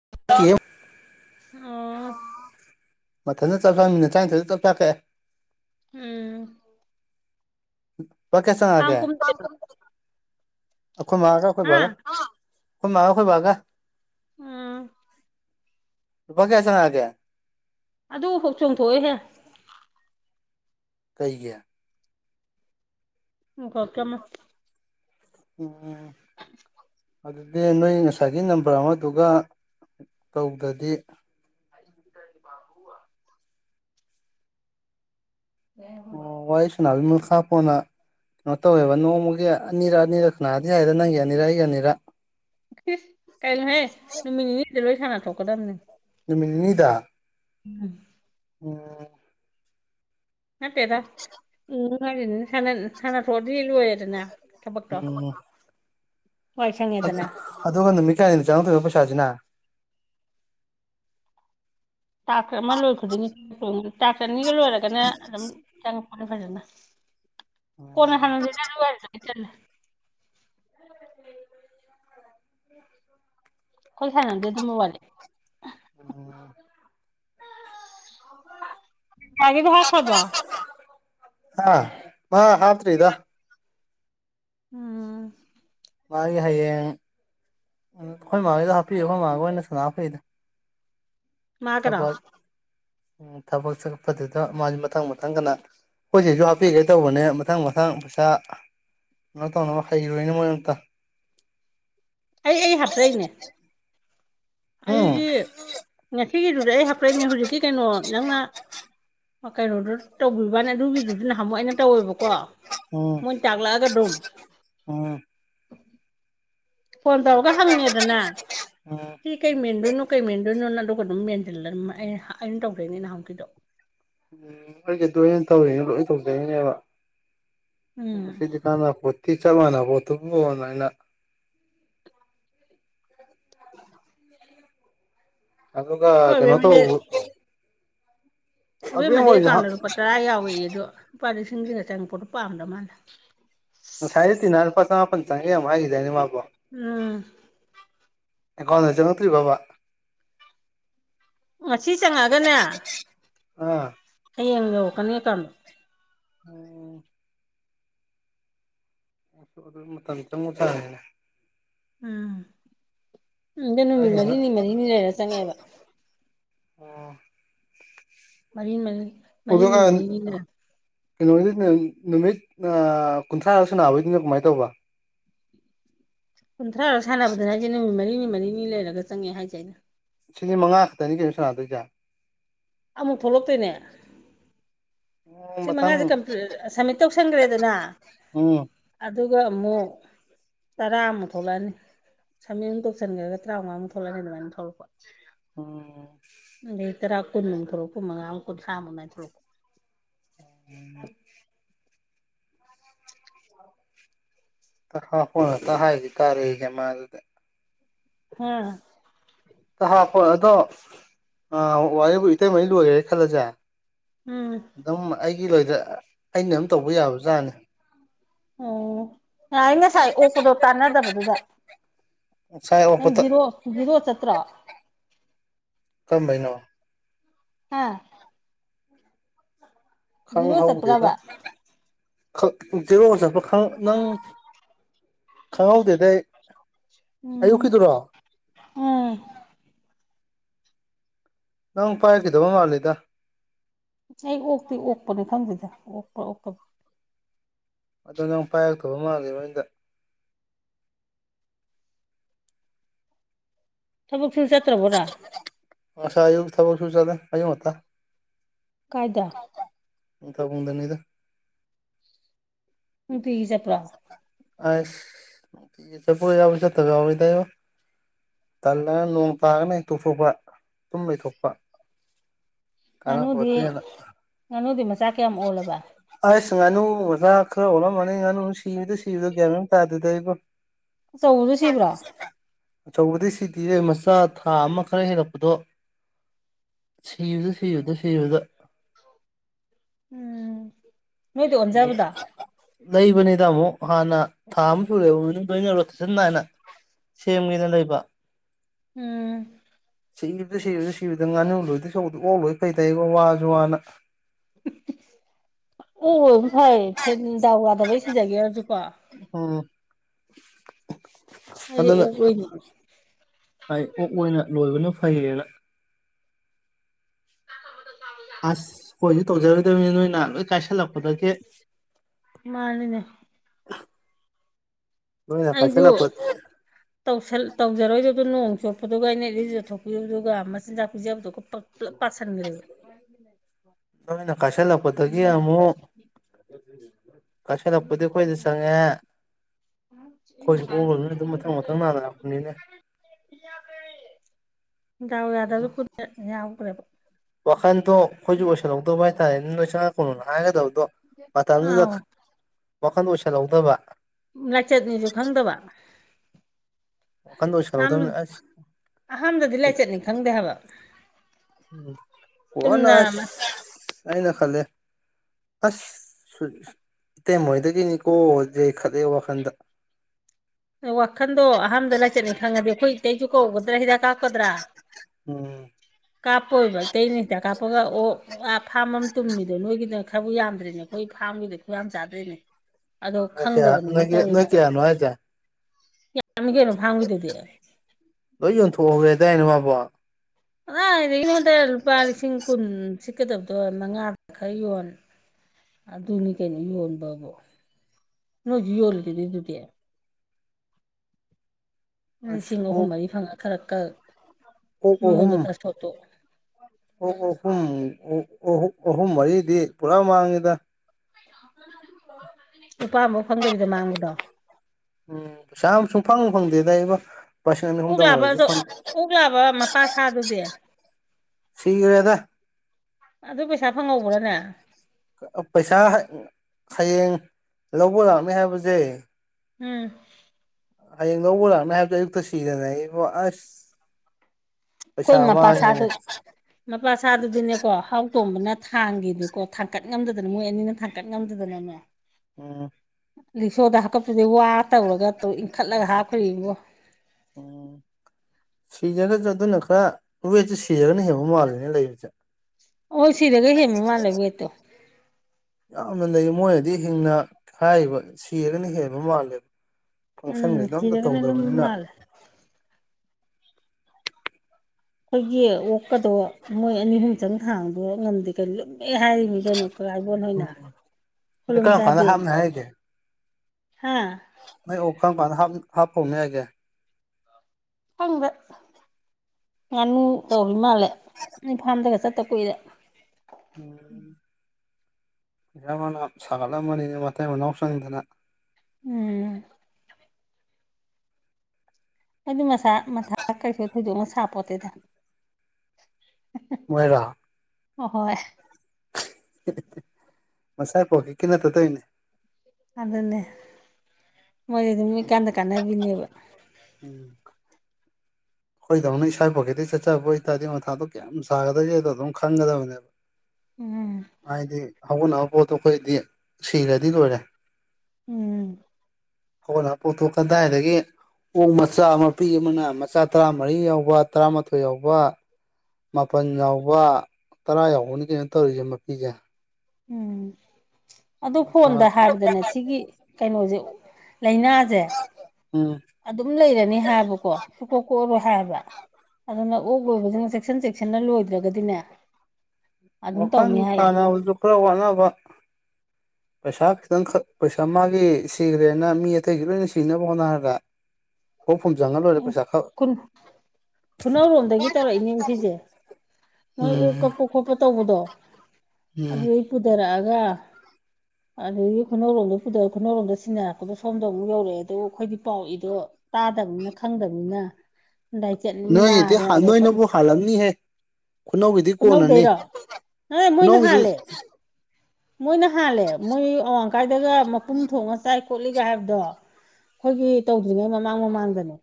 [unintelligible] ꯑꯣ ꯃꯊꯟꯇ [unintelligible] ꯎꯝ [unintelligible] ꯑꯈꯣꯏ ꯐꯥꯝ ꯀꯨꯝꯗꯣꯏꯔꯣ ꯃꯥꯒ ꯑꯈꯣꯏ ꯕꯥꯒ ꯍꯥ ꯈꯣꯏ ꯃꯥꯒ ꯈꯣꯏ ꯕꯥꯒ ꯎꯝ ꯂꯨꯄꯥ ꯀꯌꯥ ꯆꯪꯉꯥꯛꯑꯒꯦ ꯑꯗꯨ ꯍꯧꯖꯤꯛ ꯆꯣꯡꯊꯣꯛꯑꯦꯍꯦ ꯀꯩꯒꯤ ꯂꯨꯄꯥ ꯆꯥꯝꯃ ꯑꯝ ꯑꯗꯨꯗꯤ ꯅꯣꯏ ꯉꯁꯥꯏꯒꯤ ꯅꯝꯕꯔ ꯑꯃꯗꯨꯒ ꯇꯧꯗ꯭ꯔꯗꯤ ꯀꯤ ꯇꯔꯕ [inaudible] ꯁꯅꯥꯕꯩ ꯃꯈꯥ ꯄꯣꯟꯅ ꯀꯩꯅꯣ ꯇꯧꯋꯦꯕ ꯅꯣꯡꯃꯒꯤ ꯑꯅꯤꯔꯛ ꯑꯅꯤꯔꯛ ꯂꯥꯛꯗꯤ ꯌꯥꯔꯦꯗ ꯅꯪ ꯑꯅꯤꯔꯥꯛ ꯑꯩ ꯑꯅꯤꯔꯥꯛ ꯎꯁ ꯀꯩꯅꯣꯍꯦ ꯅꯨꯃꯤꯠ ꯅꯤꯅꯤꯗ ꯂꯣꯏ ꯁꯥꯟꯅ ꯊꯣꯛꯀꯗꯕꯅꯤ ꯅꯨꯃꯤꯠ ꯅꯤꯅꯤꯗ ꯎꯝ [inaudible] ꯑꯝ ꯅꯠꯇꯦꯗ ꯁꯥꯟ ꯁꯥꯟꯅ ꯊꯣꯛꯑꯗꯤ ꯂꯣꯢꯔꯦꯗꯅ ꯎꯝ ꯋꯥꯏ ꯁꯪꯉꯦꯗꯅ ꯑꯗꯨꯒ ꯅꯨꯃꯤꯠ ꯀꯌꯥꯅꯤꯗ ꯆꯪꯉꯥꯛꯗꯣꯏꯕ ꯄꯩꯁꯥꯁꯤꯅ ꯇꯥꯛꯢ ꯑꯃ ꯂꯣꯏ ꯈꯨꯗꯤꯡꯒꯤ ꯇꯥꯛ ꯑꯅꯤꯒ ꯂꯣꯏꯔꯒꯅ ꯑꯗꯨꯝ ꯀꯣꯟꯅ ꯐꯖꯅ ꯀꯣꯟꯅ ꯁꯥꯟꯅꯁꯤ ꯑꯗꯨꯢ ꯋꯥꯔꯤꯗꯣ ꯎꯝ ꯑꯩꯈꯣꯏ ꯁꯥꯟꯅꯗꯦ ꯑꯗꯨꯝꯕ ꯋꯥꯔꯤ ꯎꯝ [unintelligible] ꯒꯤꯗꯤ ꯍꯥꯥꯞꯈꯔꯕꯣ ꯍꯥ ꯃꯥ ꯍꯥꯞꯇꯔꯤꯗ ꯎꯝ ꯃꯥꯒꯤ ꯍꯌꯦꯡ ꯑꯩꯈꯣꯏ ꯃꯥꯒꯤꯗꯣ ꯍꯥꯞꯄꯤꯌꯨ ꯑꯩꯈꯣꯏ ꯃꯥꯥꯒ ꯑꯣꯏꯅ ꯁꯅꯥ ꯐꯩꯗ ꯃꯥꯒꯔꯣ ꯊꯕꯛ ꯊꯕꯛ ꯆꯪꯉꯥꯛꯄꯗꯨꯗ ꯃꯥꯁ ꯃꯊꯪ ꯃꯊꯪꯗꯅ ꯑꯩꯈꯣꯏ ꯁꯦꯁꯨ ꯍꯥꯞꯄꯤꯒꯦ ꯇꯧꯕꯅꯦ ꯃꯊꯪ ꯃꯊꯪ ꯄꯩꯁꯥ ꯀꯩꯅꯣ ꯇꯧꯅꯕ ꯍꯩꯔꯣꯏꯅꯦ ꯃꯣꯏ ꯑꯝꯇ ꯑꯩ ꯑꯩ ꯍꯥꯞꯆꯩꯅꯦ ꯎꯝ ꯑꯩꯗꯤ ꯉꯁꯤꯒꯤꯗꯨꯗꯤ ꯑꯩ ꯍꯥꯞꯄꯛꯏꯅꯦ ꯍꯧꯖꯤꯛꯀꯤ ꯀꯩꯅꯣ ꯅꯪꯅ ꯀꯩꯅꯣꯗꯣ ꯇꯧꯒꯤꯕꯩ ꯋꯥꯅꯦ ꯑꯗꯨꯒꯤꯗꯨꯗꯤ ꯅꯍꯥꯟ ꯑꯃꯛ ꯑꯩꯅ ꯇꯧꯋꯦꯕꯀꯣ ꯃꯣꯏ ꯇꯥꯛꯂꯛꯑꯒ ꯑꯗꯨꯝ ꯑꯣ ꯐꯣꯟ ꯇꯧꯔꯒ ꯍꯪꯉꯦꯗꯅ ꯑꯝ ꯁꯤ ꯀꯩ ꯃꯦꯟꯗꯣꯏꯅꯣ ꯀꯩ ꯃꯦꯟꯗꯣꯏꯅꯣꯅ ꯑꯗꯨꯒ ꯑꯗꯨꯝ ꯃꯦꯟꯁꯤꯜꯂ ꯑꯩꯅ ꯇꯧꯖꯩꯅꯦ ꯅꯍꯥꯟꯃꯨꯛꯒꯤꯗꯣ ꯈꯣꯏꯒꯤ ꯇꯣꯏꯅ ꯇꯧꯔꯤ ꯂꯣꯏ ꯇꯧꯖꯔꯤꯅꯦꯕ ꯎꯝ ꯃꯁꯤꯗꯤ ꯀꯥꯟꯅꯄꯣꯠꯇꯦ ꯆꯥꯞ ꯃꯥꯟꯅ ꯄꯣꯠꯇꯨꯕꯨꯅ ꯑꯩꯅ ꯑꯗꯨꯒ ꯑꯩꯈꯣꯏ ꯀꯩꯅꯣ ꯑꯕꯦꯝꯃꯗꯤ ꯇꯧ ꯑꯕꯦꯝꯃꯗꯤ ꯍꯣꯏꯁꯨ ꯑꯦꯀꯥꯎꯟꯗ ꯂꯨꯄꯥ ꯇꯔꯥ ꯌꯥꯎꯑꯦꯌꯦ ꯑꯗꯣ ꯂꯨꯄꯥ ꯂꯤꯁꯤꯡꯁꯤꯒ ꯆꯪꯉꯛꯄꯗꯣ ꯄꯥꯝꯗ ꯃꯥꯜꯂꯦ ꯉꯁꯥꯏꯗ ꯇꯤꯟꯅ ꯂꯨꯄꯥ ꯆꯃꯥꯄꯜ ꯆꯪꯉꯥꯛꯌꯦ ꯌꯥꯝ ꯍꯥꯏꯈꯤꯗꯥꯏꯅꯦ ꯃꯥꯕꯣ ꯎꯝ ꯑꯦꯀꯥꯎꯟꯗ ꯆꯪꯉꯛꯇ꯭ꯔꯤꯕ ꯕꯕꯥ ꯉꯁꯤ ꯆꯪꯉꯛꯑꯒꯅꯦ ꯑꯥ ꯍꯌꯦꯡ ꯌꯧꯔꯛꯀꯅꯤ [unintelligible] ꯑꯣ꯫ ꯑ ꯑꯗꯨ ꯃꯇꯝ [unintelligible] ꯎꯝ ꯎꯝꯗ ꯅꯨꯃꯤꯠ ꯑꯩꯅ ꯃꯔꯤꯅꯤ ꯃꯔꯤꯅꯤ ꯂꯩꯔ ꯆꯪꯉꯦꯕ ꯑꯣ ꯃꯔꯤꯅꯤ ꯃꯔꯤ ꯃꯔꯤꯅꯤ ꯑꯗꯨꯒꯟ ꯃꯔꯤꯅꯤ ꯂꯩꯔ ꯀꯩꯅꯣꯒꯤꯗꯤ ꯅꯨꯃꯤꯠ ꯑ ꯀꯨꯟꯊ꯭ꯔꯥ ꯁꯥꯅꯕꯩꯗꯨꯅ ꯀꯃꯥꯏꯅ ꯇꯧꯕ ꯀꯨꯟꯊ꯭ꯔꯥꯔ ꯁꯥꯟꯅꯕꯗ ꯍꯥꯏꯁꯦ ꯅꯨꯃꯤꯠ ꯃꯔꯤꯅꯤ ꯃꯔꯤꯅꯤ ꯂꯩꯔꯒ ꯆꯪꯉꯦ ꯍꯥꯏꯁꯦ ꯑꯩꯅ ꯁꯤꯗꯤ ꯃꯉꯥ ꯈꯛꯇꯅꯤ ꯀꯩꯅꯣ ꯁꯥꯟꯅꯗꯣꯏꯁꯦ꯫ ꯑꯃꯨꯛ ꯊꯣꯛꯂꯛꯇꯣꯏꯅꯦ꯫ ꯎꯝ ꯁꯤ ꯃꯊꯪ ꯃꯉꯥꯁꯦ ꯁꯝꯃꯤꯠ ꯇꯧꯁꯟꯈ꯭ꯔꯦꯗꯅ ꯎꯝ ꯑꯗꯨꯒ ꯑꯃꯨꯛ ꯇꯔꯥ ꯃꯨꯛ ꯊꯣꯛꯂꯥꯛꯅꯤ ꯁꯃꯤꯠ ꯇꯧꯁꯤꯟꯈ꯭ꯔꯒ ꯇꯔꯥꯃꯉꯥꯃꯨꯛ ꯊꯣꯛꯂꯑꯅꯤ ꯑꯗꯨꯃꯥꯏꯅ ꯊꯣꯛꯂꯛꯄ ꯎꯝ꯫ ꯈꯪꯡꯗꯦ ꯑꯩ ꯇꯔꯥ ꯀꯨꯟ ꯊꯣꯛꯣꯔꯛꯄ [unintelligible] ꯀꯨꯟꯊ꯭ꯔ [unintelligible] [unintelligible] ꯑꯍꯥ ꯍꯣꯏꯉꯥꯇ ꯍꯥꯏꯒꯤ ꯇꯥꯔꯦ ꯌꯥꯝꯜꯗꯤ ꯍꯝ꯫ ꯇ ꯍꯥꯞꯈꯣꯏ ꯑꯗꯣ ꯋꯥ ꯏꯇꯩꯃꯔꯤ ꯂꯣꯏꯈꯔꯦ ꯈꯜꯂꯁꯦ ꯎꯝ꯫ ꯑꯗꯨꯝ ꯑꯩꯒꯤ ꯂꯣꯏꯗ ꯑꯩꯅ ꯑꯗꯨꯝ ꯇꯧꯕ ꯌꯥꯕꯖꯥꯠꯅꯤ꯫ ꯎꯝ ꯑꯩ ꯉꯁꯥꯏ ꯑꯣꯄꯗꯣ ꯇꯥꯟꯅꯗꯕꯗꯨꯗ꯫ ꯉꯁꯥꯏ ꯅꯪ ꯑꯣꯠꯄꯇ ꯖꯤꯔꯣ ꯖꯤꯔꯣ ꯆꯠꯇ꯭ꯔꯣ ꯀꯔꯝꯕꯩꯅꯣ ꯑꯥ ꯈꯪ ꯖꯤꯔꯣ ꯍꯧꯗꯦꯗ꯫ ꯆꯠꯄ꯭ꯔꯕ ꯈꯥ ꯖꯦꯔꯣ ꯆꯥꯠꯄ ꯈꯪ ꯅꯪ ꯈꯪꯍꯧꯗꯦꯗ ꯑꯩ ꯎꯝ꯫ [unintelligible] ꯀꯤꯗ꯭ꯔꯣ ꯎꯝ ꯅꯪ ꯄꯥꯏꯈꯤꯗꯧꯕ ꯃꯥꯜꯂꯤꯗ꯫ ꯑꯩ ꯑꯣꯛꯇꯤ ꯑꯣꯛꯄꯅꯦ ꯈꯪꯗꯦꯗ ꯑꯣꯛꯄ ꯑꯣꯛꯇ ꯑꯗꯣ ꯅꯪ ꯄꯥꯏꯔꯛꯇꯕ ꯃꯥꯜꯂꯤ ꯃꯣꯏꯗ ꯊꯥꯕꯛ ꯁꯨ ꯆꯠꯇ꯭ꯔꯕ꯭ꯔꯥ ꯅ ꯉꯥꯁꯥꯏ ꯑꯌꯨꯕ ꯊꯕꯛꯁꯨ ꯆꯥꯠꯂꯦ ꯑꯌꯨꯛ ꯉꯥꯡꯇ ꯀꯥꯏꯗ ꯅꯤꯡꯊꯧꯈꯣꯡꯗꯅꯤꯗ꯫ ꯅꯨꯡꯇꯤꯒꯤ ꯆꯥꯠꯄꯔꯣ꯫ ꯑꯁ ꯅꯨꯡꯇꯤꯒꯤ ꯆꯥꯠꯄ ꯌꯥꯎꯏ ꯆꯥꯡꯇꯕ ꯌꯥꯎꯏꯗꯕꯣ ꯇꯜꯂꯒ ꯅꯣꯡ ꯇꯥꯔꯒꯅ ꯍꯦꯛꯛꯇꯣꯛꯊꯣꯛꯄ ꯇꯨꯝ ꯂꯩꯊꯣꯛꯄ꯫ ꯉꯥꯅꯨꯗꯤ ꯀꯥꯟꯅꯄꯣꯠꯇꯦꯅ ꯉꯥꯅꯨꯗꯤ ꯃꯆꯥ ꯀꯌꯥꯝ ꯑꯣꯜꯂꯕ꯫ ꯑꯁ ꯉꯥꯅꯨ ꯃꯥꯆꯥ ꯈꯔ ꯑꯣꯜꯂꯝꯃꯥꯥꯅꯤ ꯉꯥꯅꯨ ꯁꯤꯕꯗ ꯁꯤꯕꯗ ꯒꯌꯥꯃꯦꯟ ꯇꯥꯗꯦꯗ ꯑꯩꯕꯣ ꯑꯆꯧꯕꯗꯨ ꯁꯤꯕ꯭ꯔꯣ ꯑꯆꯧꯕꯗꯤ ꯁꯤꯗꯤꯌꯦ ꯃꯆꯥ ꯊꯥ ꯑꯃ ꯈꯔ ꯍꯦꯜꯂꯛꯄꯗꯣ꯫ ꯁꯤꯕꯗ ꯁꯤꯕꯗ ꯁꯤꯕꯗ ꯎꯝ꯫ ꯅꯣꯏꯗ ꯑꯣꯟꯖꯕꯗꯣ ꯂꯩꯕꯅꯤꯗ ꯑꯃꯨꯛ ꯍꯥꯟꯅ ꯊꯥ ꯑꯃ ꯁꯨꯨꯔꯦ ꯂꯣꯏꯅꯔꯣꯇꯦꯁꯟ ꯅꯥꯏꯅ ꯊꯦꯝꯒꯤꯗ ꯂꯩꯕ ꯎꯝ꯫ ꯁꯤꯒꯤꯕꯗ ꯁꯤꯒꯤꯕꯗ ꯁꯤꯕꯗ ꯉꯥꯅꯨ ꯂꯣꯏꯗꯣꯏ ꯁꯔꯨꯛꯇꯤ ꯑꯣꯛ ꯂꯣꯏ ꯐꯩꯗ ꯏꯕꯣ ꯋꯥꯔꯁꯨ ꯋꯥꯅ꯫ [unintelligible] ꯁꯦꯜ ꯗꯥꯎ ꯌꯥꯗꯕꯩ ꯁꯤꯖꯒꯤꯔꯖꯨꯀꯣ ꯎꯝ ꯍꯥꯏꯗꯤ ꯑꯣꯛ ꯂꯣꯏꯅꯤꯡ ꯑꯩ ꯑꯣꯛ ꯑꯣꯏꯅ ꯂꯣꯏꯕꯅ ꯐꯩꯌꯦꯅ ꯑꯁ ꯑꯈꯣꯏꯁꯨ ꯇꯧꯖꯔꯣꯏꯗꯕꯅꯤ ꯅꯣꯏ ꯅꯍꯥꯟ ꯂꯣꯏ ꯀꯥꯏꯁꯜꯂꯛꯄꯗꯒꯤ ꯃꯥꯅꯤꯅꯦ ꯅꯣꯏꯅ ꯑꯩꯖꯨ ꯀꯥꯏꯁꯜꯂꯛꯄ [inaudible] ꯇꯧꯁꯜ ꯇꯧꯖꯔꯣꯏꯗꯕꯗꯣ ꯅꯣꯡ ꯆꯣꯠꯄꯗꯨꯒ ꯑꯩꯅ ꯏꯔꯨ ꯂꯨꯖꯥꯊꯣꯛꯄꯤꯔꯨꯕꯗꯨꯒ ꯃꯆꯤꯟꯖꯥꯛ ꯄꯤꯖꯕꯗꯨ ꯈꯨꯄꯛ ꯄꯨꯂꯨꯞ ꯄꯥꯁꯟ ꯅꯪꯒꯤꯅꯥ ꯀꯥꯏꯁꯜꯂꯛꯄꯗꯒꯤ ꯑꯃꯨꯛ ꯀꯥꯏꯁꯜꯂꯛꯄꯗꯩ ꯑꯩꯈꯣꯏꯗ ꯆꯪꯉꯛ ꯑꯦ [unintelligible] ꯃꯊꯪ ꯅꯥꯅꯔꯛꯄꯅꯤꯅꯦ ꯗꯥꯎ ꯌꯥꯗꯕꯗꯨ ꯄꯨꯟꯅ ꯌꯥꯎꯒ꯭ꯔꯦꯕ ꯋꯥꯈꯟꯗꯣ ꯑꯩꯈꯣꯏꯁꯨ ꯑꯣꯏꯁꯜꯍꯧꯗꯕ ꯍꯥꯏꯇꯥꯔꯦ ꯅꯣꯏ ꯆꯪꯉꯛꯀꯅꯣꯅ ꯍꯥꯏꯒꯗꯧꯗꯣ ꯃꯇꯝꯗꯨꯗ ꯑꯥꯎ ꯈ ꯋꯥꯈꯜꯗꯣ ꯑꯣꯏꯁꯜꯍꯧꯗꯕ ꯂꯥꯏꯆꯠꯅꯤꯖꯨ ꯈꯪꯗꯕ ꯋꯥꯈꯟꯗꯣ ꯍꯥꯟ ꯑꯣꯏꯁꯜꯍꯧꯗꯕꯅꯤꯅ ꯑꯁ ꯑꯍꯥꯟꯕꯗꯗꯤ ꯂꯥꯏꯆꯠꯅꯤ ꯈꯪꯗꯦ ꯍꯥꯏꯕ ꯀꯣꯟꯅ ꯆꯨꯝꯅ ꯃꯁꯥ ꯑꯩꯅ ꯈꯜꯂꯦ ꯑꯁ ꯁꯨꯠ ꯏꯠꯇꯦꯝ ꯍꯣꯏꯗꯒꯤꯅꯤꯀꯣꯖꯦ ꯈꯜꯂꯛꯑꯦ ꯋꯥꯈꯟꯗ ꯋꯥꯈꯟꯗꯣ ꯑꯍꯥꯟꯕꯗ ꯂꯥꯏꯆꯠꯅꯦ ꯈꯪꯉꯗꯤ ꯑꯩꯈꯣꯏ ꯏꯇꯩꯁꯨ ꯀꯧꯒꯗ꯭ꯔꯥ ꯍꯤꯗꯥꯛ ꯀꯥꯞꯀꯗ꯭ꯔꯥ ꯎꯝ ꯀꯥꯞꯄꯣꯏꯕ ꯏꯇꯩꯅ ꯍꯤꯗꯥꯛ ꯀꯥꯞꯄꯒ ꯑꯣꯛ ꯑꯥ ꯐꯥꯔꯝ ꯑꯃ ꯇꯨꯝꯃꯤꯗꯨ ꯅꯣꯏꯒꯤꯅ ꯈꯔꯕꯨ ꯌꯥꯝꯗ꯭ꯤꯅꯦ ꯑꯩꯈꯣꯏ ꯐꯥꯝꯒꯤꯗꯤ ꯈꯨꯌꯥꯥꯝ ꯆꯥꯗ꯭ꯔꯤꯅꯤ ꯑꯗꯣ ꯈꯪꯗꯕꯅꯤꯅ ꯇꯧꯔꯤꯅꯦꯕ ꯀꯩꯅꯣ ꯍꯥꯏꯖꯦ ꯌꯥꯃꯤ ꯀꯩꯅꯣ ꯐꯥꯝꯒꯤꯗꯨꯗꯤ ꯂꯣꯏ ꯌꯣꯟꯊꯣꯛꯍꯧꯔꯦꯗꯥꯏꯅꯦ ꯃꯥꯕꯣ ꯀꯗꯥꯏꯗꯒꯤꯅꯣꯗ ꯂꯨꯄꯥ ꯂꯤꯁꯤꯡ ꯀꯨꯟ ꯁꯤꯠꯀꯗꯕꯗꯣ ꯃꯉꯥꯗ ꯈꯔ ꯌꯣꯟ ꯑꯗꯨꯅꯤ ꯀꯩꯅꯣ ꯌꯣꯟꯕꯕꯨ ꯅꯣꯏꯖꯨ ꯌꯣꯜꯂꯤꯗꯨꯗꯤ ꯑꯗꯨꯗꯤ ꯑꯁ ꯂꯤꯁꯤꯡ ꯑꯍꯨꯝ ꯑꯣꯛ ꯃꯔꯤ ꯐꯪ ꯈꯔ ꯀꯛ ꯑꯣꯛ ꯃꯤꯉꯣꯟꯗ ꯑꯍꯨꯝ ꯈꯔ ꯁꯣꯠꯇꯣꯛ ꯑꯣꯛ ꯑꯍꯨꯝ ꯑꯣ ꯑꯍꯨꯝ ꯑꯍꯨꯝ ꯃꯔꯤꯗꯤ ꯄꯨꯔꯥ ꯃꯥꯡꯉꯤꯗ ꯂꯨꯄꯥꯕꯧ ꯐꯪꯗꯕꯤꯗ ꯃꯥꯡꯕꯗꯣ ꯎꯝ ꯄꯩꯁꯥ ꯑꯃ ꯁꯨꯡꯐꯪ ꯐꯪꯗꯦꯗ ꯏꯕꯣ ꯂꯤꯁꯤꯡ ꯑꯅꯤ ꯑꯣꯛ ꯑꯍꯨꯝꯗꯪ ꯂꯥꯕ ꯑꯣꯏꯔꯁꯨ ꯑꯆꯧ ꯐꯪ ꯑꯣꯛ ꯂꯥꯕ ꯃꯄꯥ ꯁꯥꯗꯨꯗꯤ ꯁꯤꯒ꯭ꯔꯦꯗꯥ ꯑꯗꯨ ꯄꯩꯁꯥ ꯐꯪꯍꯧꯕ꯭ꯔꯥꯅꯦ ꯀ ꯑ ꯄꯩꯁꯥ ꯍꯌꯦꯡ ꯂꯧꯕ ꯂꯥꯛꯅꯤ ꯍꯥꯏꯕꯖꯦ ꯎꯝ ꯍꯌꯦꯡ ꯂꯧꯕ ꯂꯥꯛꯅꯤ ꯍꯥꯏꯕꯗ ꯑꯌꯨꯛꯇ ꯁꯤꯗꯅ ꯏꯕꯣ ꯑꯁ ꯄꯩꯁꯥ ꯃꯥꯡꯉꯦꯅꯦ ꯃꯥꯄꯥ ꯁꯥꯗꯨꯗꯤꯅꯦꯀꯣ ꯍꯥꯎ ꯇꯣꯝꯕꯅ ꯊꯥꯡꯒꯦꯗꯤꯀꯣ ꯊꯥꯡꯀꯠ ꯉꯝꯗꯗꯅ ꯃꯣꯏ ꯑꯅꯤꯅ ꯊꯥꯡꯀꯠ ꯉꯝꯗꯗꯅꯅ ꯎꯝ ꯂꯤꯛꯁꯣꯗ ꯍꯥꯀꯠꯄꯁꯦ ꯋꯥ ꯇꯧꯔꯒ ꯇꯧ ꯏꯟꯈꯠꯂꯒ ꯍꯥꯞꯈ꯭ꯔꯤꯏꯕꯣ ꯎꯝ ꯁꯤꯖꯒ꯭ꯔꯖꯨ ꯑꯗꯨꯅ ꯈꯔ ꯋꯦꯠꯁꯦ ꯁꯤꯔꯒꯅ ꯍꯦꯟꯕ ꯃꯥꯜꯂꯦꯅꯦ ꯂꯩꯔꯤꯁꯦ ꯑꯣ ꯁꯤꯔꯒ ꯍꯦꯟꯕ ꯃꯥꯜꯂꯦ ꯋꯦꯠꯇꯣ ꯌꯥꯝꯅ ꯂꯩ ꯃꯣꯏꯅꯗꯤ ꯍꯤꯡꯅ ꯍꯥꯏꯔꯤꯕ ꯁꯤꯔꯒꯅ ꯍꯦꯟꯕ ꯃꯥꯜꯂꯦꯕ ꯎꯝ ꯐꯪꯁꯟꯈꯩꯗꯣ ꯑꯝꯇ ꯁꯤꯗꯒꯅ ꯂꯨꯝꯕ ꯇꯧꯗꯕꯅꯤꯅ ꯃꯥꯜꯂꯦ ꯑꯩꯈꯣꯏꯒꯤ ꯑꯣꯛꯀꯗꯣ ꯃꯣꯏ ꯑꯅꯤ ꯑꯍꯨꯝ ꯆꯪ ꯊꯥꯡꯕ ꯉꯝꯗꯦ ꯀꯩꯅꯣ ꯂꯨꯝ ꯑꯦ ꯍꯥꯏꯔꯤꯅꯤ ꯀꯩꯅꯣ ꯀꯂꯥ ꯏꯕꯣꯍꯟ ꯍꯣꯏꯅ ꯅꯣꯏ ꯈꯨꯂꯨꯝ ꯀꯔꯝ ꯀꯥꯟꯗ ꯆꯥꯗꯦꯅ ꯍꯥꯞꯅꯤ ꯍꯥꯏꯒꯦ ꯍꯥꯥ ꯅꯣꯏ ꯑꯣꯛ ꯀꯔꯝ ꯀꯥꯟꯗꯩ ꯍꯥꯞ ꯍꯥꯞꯄ ꯍꯧꯅꯤ ꯍꯥꯏꯒꯦ ꯈꯪꯗꯦ ꯉꯥꯅꯨ ꯇꯧꯔꯤ ꯃꯥꯜꯂꯦ ꯑꯩ ꯐꯥꯝꯗꯒ ꯆꯠꯇ ꯀꯨꯏꯔꯦ ꯄꯩꯁꯥ ꯐꯅꯌꯥꯝ ꯁꯥꯒꯠꯂꯝꯃꯅꯤꯅ ꯃꯇꯩ ꯃꯅꯥꯎ ꯆꯪꯗꯅ ꯎꯝ ꯑꯗꯨ ꯃꯁꯥ ꯃꯊꯥ ꯀꯩꯁꯨ ꯊꯣꯏꯗꯣꯛꯅ ꯁꯥꯄꯣꯠꯇꯦꯗ ꯃꯣꯏꯔꯣ ꯑꯣ ꯍꯣꯏ ꯃꯁꯥꯏ ꯄꯣꯛꯀꯦꯠꯀꯤ ꯅꯠꯇ ꯇꯣꯏꯅꯦ ꯑꯗꯨꯅꯦ ꯃꯣꯏꯗꯤ ꯑꯗꯨꯝ ꯏꯀꯥꯟꯗ ꯀꯥꯟꯅꯕꯤꯅꯦꯕ ꯎꯝ ꯑꯩꯈꯣꯏꯗꯧꯅ ꯏꯁꯥ ꯄꯣꯀꯩꯗꯩ ꯆꯠꯆꯕ ꯑꯣꯏꯇꯥꯔꯗꯤ ꯃꯊꯥꯗꯣ ꯀꯌꯥꯝ ꯁꯥꯒꯗꯒꯦꯗꯣ ꯑꯗꯨꯝ ꯈꯪꯒꯗꯕꯅꯦꯕ ꯎꯝ ꯍꯥꯏꯗꯤ ꯍꯧꯒꯠꯅꯕ ꯄꯣꯠꯇꯣ ꯑꯩꯈꯣꯏꯗꯗꯤ ꯁꯤꯒ꯭ꯔꯗꯤ ꯂꯣꯏꯔꯦ ꯎꯝ ꯍꯧꯒꯠꯅꯕ ꯄꯣꯠꯇꯣ ꯀꯗꯥꯏꯗꯒꯤ ꯑꯣꯛ ꯃꯆꯥ ꯃꯄꯤ ꯑꯃꯅ ꯃꯆꯥ ꯇꯔꯥꯃꯔꯤ ꯌꯥꯎꯕ ꯇꯔꯥꯃꯥꯊꯣꯏ ꯌꯥꯎꯕ ꯃꯥꯄꯟ ꯌꯥꯎꯕ ꯇꯔꯥ ꯌꯥꯎꯕꯅꯤ ꯀꯩꯅꯣ ꯇꯧꯔꯤꯖꯦ ꯃꯄꯤꯖꯦ ꯎꯝ ꯑꯗꯨ ꯐꯣꯟꯗ ꯃꯁꯥ ꯍꯥꯏꯕꯗꯅꯦ ꯁꯤꯒꯤ ꯀꯩꯅꯣꯖꯦ ꯂꯩꯅꯥꯖꯦ ꯎꯝ ꯑꯗꯨꯝ ꯂꯩꯔꯅꯤ ꯍꯥꯏꯕꯀꯣ ꯁꯨꯀꯣꯛ ꯀꯣꯛꯑꯔꯣꯏ ꯍꯥꯏꯕ ꯑꯗꯨꯅ ꯑꯣꯛ ꯂꯣꯏꯕꯖꯤꯡꯅ ꯆꯦꯛꯁꯟ ꯆꯦꯛꯁꯤꯟꯅ ꯂꯣꯏꯗ꯭ꯔꯒꯗꯤꯅꯦ ꯑꯗꯨꯝ ꯋꯥꯈꯜ ꯇꯧꯅꯤ ꯍꯥꯏꯌꯦ ꯇꯥꯅꯕꯖꯨ ꯈꯔ ꯋꯥꯠꯅꯕ ꯄꯩꯁꯥ ꯈꯤꯇꯪꯈꯛ ꯄꯩꯁꯥ ꯃꯥꯒꯤ ꯁꯤꯒ꯭ꯔꯦꯅ ꯃꯤ ꯑꯇꯩꯒꯤ ꯂꯣꯏꯅ ꯁꯤꯅꯕ ꯍꯣꯠꯅꯔꯒ ꯀꯣꯛ ꯐꯨꯝꯖꯟꯉ ꯂꯣꯏꯔꯦ ꯎꯝ ꯄꯩꯁꯥ ꯈꯛ ꯈꯨꯟ ꯈꯨꯅꯧꯔꯣꯝꯗꯒꯤ ꯇꯧꯔꯛꯏꯅꯦꯕ ꯁꯤꯖꯦ ꯅꯣꯏ ꯑꯣꯛ ꯎꯝ ꯀꯛꯄ ꯈꯣꯠꯄ ꯇꯧꯕꯗꯣ ꯎꯝ ꯑꯗꯨꯗꯩ ꯄꯨꯗꯔꯛꯑꯒ [inaudible] ꯑꯗꯒꯤ ꯈꯨꯅꯧꯔꯣꯝꯗ ꯄꯨꯗ ꯈꯨꯅꯧꯔꯣꯝꯗ ꯁꯤꯟꯅꯔꯛꯄꯣ ꯁꯣꯝꯗ ꯑꯃꯨꯛ ꯌꯧꯔꯛꯑꯦ ꯑꯗꯨꯕꯨ ꯑꯩꯈꯣꯏꯗꯤ ꯄꯥꯎ ꯏꯗꯣ ꯇꯥꯗꯕꯅꯤꯅ ꯈꯪꯗꯕꯅꯤꯅ ꯂꯥꯏꯆꯠꯅꯤ ꯅꯣꯏꯒꯤꯗꯤ ꯅꯥꯗꯅ ꯑꯗꯩ ꯈꯣꯠ ꯅꯣꯏꯅꯕꯨ ꯍꯥꯜꯂꯝꯅꯤꯍꯦ ꯈꯨꯅꯧꯒꯤꯗꯤ ꯀꯣꯟꯅꯅꯤ ꯈꯨꯅꯧꯗꯩꯔꯣ ꯅ ꯃꯣꯏꯅ ꯈꯨꯅꯧꯒꯤꯗꯤ ꯍꯥꯜꯂꯦ ꯃꯣꯏꯅ ꯍꯥꯜꯂꯦ ꯃꯣꯏ ꯑꯋꯥꯡ ꯀꯥꯏꯗꯒ ꯃꯄꯨꯝ ꯊꯣꯡꯉ ꯆꯥꯏ ꯈꯣꯠꯂꯤꯒꯦ ꯍꯥꯏꯕꯗꯣ ꯑꯈꯣꯏꯒꯤ ꯇꯧꯗ꯭ꯔꯤꯉꯩ ꯃꯃꯥꯡ ꯃꯃꯥꯡꯗꯅꯦ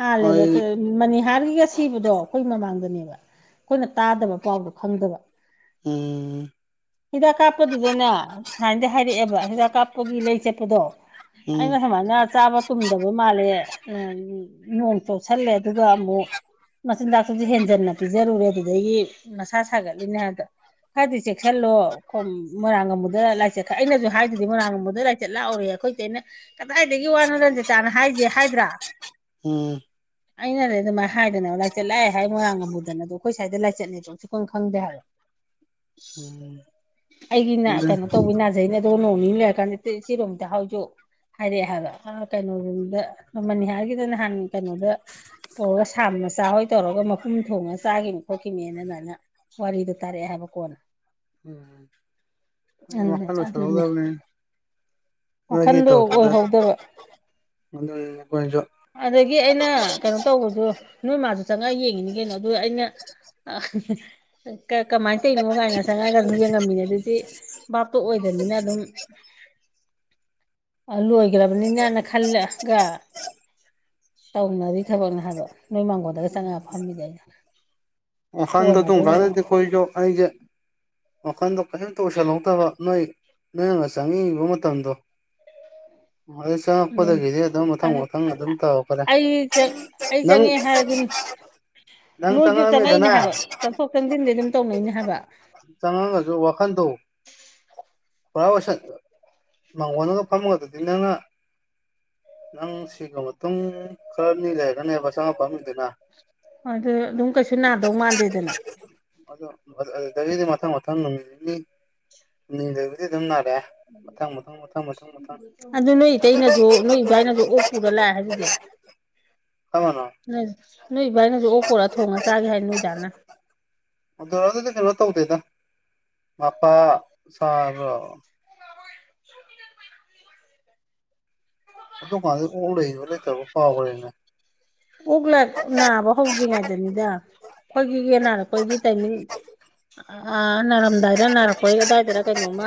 ꯍꯥꯜꯂꯦꯕ ꯆ ꯑꯩ ꯃꯅꯤꯍꯥꯔꯒꯤꯒ ꯁꯤꯕꯗꯣ ꯑꯈꯣꯏ ꯃꯃꯥꯡꯗꯅꯦꯕ ꯑꯈꯣꯏꯅ ꯇꯥꯗꯕ ꯄꯥꯎꯗꯣ ꯈꯪꯗꯕ ꯎꯝ ꯍꯤꯗꯥꯛ ꯀꯥꯞꯄꯗꯨꯗꯅꯦ ꯁꯥꯏꯅꯗꯤ ꯍꯥꯏꯔꯛꯑꯦꯕ ꯍꯤꯗꯥꯛ ꯀꯥꯞꯄꯒꯤ ꯂꯩ ꯆꯠꯄꯗꯣ ꯎꯝ ꯑꯩꯅ ꯁꯃꯥꯏꯅ ꯆꯥꯕ ꯗꯕ ꯃꯥꯜꯂꯦ ꯑꯥ ꯅꯣꯡ ꯆꯣꯠꯁꯜꯂꯦ ꯑꯗꯨꯒ ꯑꯃꯨꯛ ꯃꯆꯤꯟꯖꯥꯛꯇꯁꯨ ꯍꯦꯟꯖꯟꯅ ꯄꯤꯖꯔꯨꯔꯦ ꯑꯗꯨꯗꯒꯤ ꯃꯁꯥ ꯁꯥꯒꯠꯂꯤꯅꯦ ꯍꯥꯏꯕꯗ ꯍꯥꯏꯗꯤ ꯆꯦꯛꯁꯤꯜꯂꯏꯥꯡ ꯃꯣꯢꯔꯥꯡ ꯀꯥꯝꯕꯨꯗ ꯂꯥꯏꯆꯠ ꯑꯩꯅꯁꯨ ꯍꯥꯏꯗꯨꯗꯤ ꯃꯣꯏꯔꯥꯡ ꯀꯥꯝꯕꯨꯗ ꯂꯥꯢ ꯆꯠ ꯂꯥꯛꯍꯧꯑꯧ ꯑꯩꯈꯣꯏꯇꯩꯅ ꯀꯗꯥꯏꯗꯒꯤ ꯋꯥꯅꯣ ꯔꯟꯖꯤꯇꯥꯅ ꯍꯥꯏꯁꯦ ꯍꯥꯏꯗ꯭ꯔꯥ ꯎꯝ ꯑꯩꯅꯗꯤ ꯑꯗꯨꯃꯥꯏꯅ ꯍꯥꯏꯒꯅꯨ ꯍꯥꯢꯅ ꯂꯥꯏꯆꯠ ꯂꯥꯛꯑꯦ ꯍꯥꯏ ꯃꯣꯏꯔꯥꯡ ꯒꯥꯝꯕꯨꯨꯗ ꯑꯩꯈꯣꯏ ꯁꯨꯋꯥꯢꯗ ꯂꯥꯏꯆꯠꯅꯤ ꯁꯨꯈꯥꯡ ꯈꯪꯗꯦ ꯍꯥꯏꯕ ꯎꯝ ꯑꯗꯨꯗ [unintelligible] ꯑꯩꯅ ꯅꯣꯡ ꯅꯤꯅꯤ ꯂꯩꯔ ꯀꯥꯟꯗ ꯁꯤꯔꯣꯝꯗ ꯍꯧꯁꯨ ꯍꯥꯏꯔꯛꯑꯦ ꯍꯥꯏꯕ ꯀꯩꯅꯣ ꯔꯣꯝꯗ ꯃꯅꯤꯍꯥꯔꯒꯤꯗ ꯅꯍꯥꯟ ꯀꯩꯅꯣꯗ ꯄꯨꯔ ꯁꯥꯝꯃꯒ [unintelligible] ꯉꯥꯄꯔꯨꯝ ꯊꯣꯡꯉꯥꯒ ꯆꯥꯈꯤꯕꯅꯦ ꯈꯣꯠꯈꯤꯕꯅꯦꯅ ꯋꯥꯔꯤꯗꯨ ꯇꯥꯔꯛꯑꯦ ꯍꯥꯏꯕꯀꯣꯟꯅ ꯎꯝ ꯑꯗꯨꯅꯦ ꯈꯥꯟ [unintelligible] ꯑꯗꯨꯅꯦ ꯆꯂꯗꯕꯅꯤ ꯅꯣꯏꯒꯤ ꯋꯥꯈꯟꯗꯣ ꯇꯧꯔꯛꯄꯗ ꯑꯣꯏꯍꯧꯗꯕ ꯑꯗꯨꯅꯤ ꯑꯩꯈꯣꯏꯁꯨ ꯑꯗꯒꯤ ꯑꯩꯅ ꯀꯩꯅꯣ ꯇꯧꯕꯗꯨ ꯅꯣꯏ ꯃꯥꯁꯨ ꯆꯪꯉꯛꯒ ꯌꯦꯡꯉꯤꯅꯤ ꯀꯩꯅꯣ ꯑꯗꯨ ꯑꯩꯅ ꯀꯃꯥꯏꯅ ꯇꯧꯔꯤꯅꯣ ꯀꯥꯏꯅ ꯆꯪꯉꯛꯑꯒ ꯑꯗꯨꯝ ꯌꯦꯡꯉꯝꯃꯤꯅꯦ ꯑꯗꯨꯗꯤ ꯕꯥꯞꯇꯣ ꯑꯣꯏꯗꯕꯅꯤꯅ ꯑꯗꯨꯝ [inaudible] ꯂꯣꯏꯈ꯭ꯔꯕꯅꯤꯅ ꯈꯜꯂꯒ ꯇꯧꯅꯂꯤ ꯊꯕꯛꯅꯦ ꯍꯥꯏꯕ ꯅꯣꯏ ꯃꯥꯡꯒꯣꯟꯗꯒ ꯆꯪꯉꯛꯑ ꯐꯝꯃꯤꯗꯣ ꯑꯩꯅ ꯋꯥꯈꯥꯟꯗꯣ ꯀꯣꯟꯅꯗꯤ ꯑꯃꯨꯛ ꯅꯣꯡ ꯑꯗꯨꯝꯒꯥꯟꯗꯗꯤ ꯈꯣꯢꯁꯨ ꯍꯥꯢꯗꯤ ꯋꯥꯈꯟꯗꯣ ꯀꯔꯤꯇ ꯑꯣꯢꯁꯜꯍꯧꯗꯕ ꯅꯣꯏ ꯅꯣꯏꯅ ꯆꯪꯅꯤꯡꯉꯤꯕ ꯃꯇꯝꯗꯣ ꯍꯣꯏ [unintelligible] ꯑꯗꯨꯅꯤ ꯆꯪꯉꯛꯄꯗꯒꯤꯗꯤ ꯑꯗꯨꯝ ꯃꯊꯪ ꯑꯗ ꯃꯊꯪ ꯑꯗꯨꯝ ꯇꯧꯈ꯭ꯔꯦ ꯑꯩ ꯆꯪ ꯑꯩ ꯅꯪ ꯆꯪꯉꯦ ꯍꯥꯏꯔꯁꯨ ꯅꯪ ꯆꯪꯉꯥꯛꯑꯝꯃꯦ ꯑꯩꯅ ꯍꯥꯏꯕ ꯆꯪꯊꯣꯛ ꯆꯪꯁꯤꯟꯗꯤ ꯑꯗꯨꯝ ꯇꯧꯅꯩꯅꯦ ꯍꯥꯏꯕ ꯆꯪꯉꯛꯉꯁꯨ ꯋꯥꯈꯟꯗꯣ ꯄꯨꯔꯥ ꯑꯣꯏꯁꯟ ꯃꯥꯡꯒꯣꯟꯗꯒ ꯐꯝꯃꯒꯪ ꯅꯪꯅ ꯅꯪ ꯁꯤꯕ ꯃꯇꯨꯡ ꯈꯔꯅꯤ ꯂꯩꯔꯒꯅꯦꯕ ꯆꯪꯉꯥꯛꯄ ꯑꯗꯨ ꯑꯗꯨꯝ ꯀꯩꯁꯨ ꯅꯥꯗꯧ ꯃꯥꯥꯟꯗꯦꯗꯅ ꯑꯗꯨ ꯑꯗꯨꯗꯒꯤꯗꯤ ꯃꯊꯪ ꯃꯊꯪ ꯅꯨꯃꯤꯠ ꯅꯤꯅꯤ ꯂꯩꯕꯗꯒꯤꯗꯤ ꯑꯗꯨꯝ ꯅꯥꯔꯛꯑꯦ ꯃꯊꯪ ꯃꯊꯪ ꯃꯊꯪ ꯃꯊꯪ ꯃꯊꯪ ꯑꯗꯨ ꯅꯣꯏ ꯏꯇꯩꯅꯁꯨ ꯅꯣꯏ ꯏꯕꯥꯏꯅꯁꯨ ꯑꯣꯛ ꯄꯨꯔ ꯂꯥꯛꯑꯦ ꯍꯥꯏꯗꯨꯗꯤ [unintelligible] [inaudible] ꯀꯔꯝꯕꯅꯣ ꯅꯣꯏ ꯅꯣꯏ ꯚꯥꯏꯅꯁꯨ ꯑꯣꯛ ꯄꯨꯔꯛꯑꯒ ꯊꯣꯡꯉꯒ ꯆꯥꯒꯤ ꯍꯥꯏ ꯅꯣꯏ ꯅꯚꯥꯢꯅ ꯃꯇꯥꯝꯗꯨꯗꯗꯤ ꯀꯩꯅꯣ ꯇꯧꯗꯦꯗ ꯃꯄꯥ ꯁꯥꯕ꯭ꯔꯣ ꯑꯗꯨꯀꯥꯟꯗ ꯑꯣꯛ ꯂꯩꯕ ꯂꯩꯇꯕꯔꯥ ꯀꯥꯎꯈ꯭ꯔꯦꯅꯦ ꯑꯣꯛꯂ ꯅꯥꯕ ꯍꯧꯗ꯭ꯔꯤꯉꯩꯗꯅꯤꯗ ꯑꯩꯈꯣꯏꯒꯤ ꯌꯦꯟ ꯅꯥꯔꯛꯄꯒꯤ ꯇꯥꯏꯃꯤꯡ ꯑ ꯑꯥ ꯅꯥꯔꯝꯗꯥꯏꯔ ꯅꯥꯔꯛꯄꯩꯔ ꯑꯗꯨꯋꯥꯢꯗꯔ ꯀꯩꯅꯣꯝꯃ